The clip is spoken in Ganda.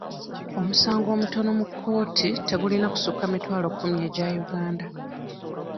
Omusango omutono mu kkooti tegulina kusukka mitwalo kkumi egya Uganda.